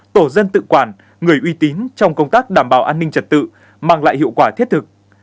tổ dân tự quản người uy tín trong công tác đảm bảo an ninh trật tự mang lại hiệu quả thiết thực